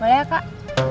boleh ya kak